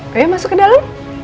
kaya masuk ke dalam